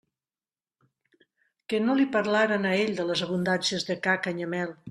Que no li parlaren a ell de les abundàncies de ca Canyamel!